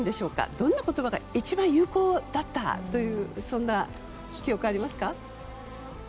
どんな言葉が一番有効だったというそんな記憶はありますか？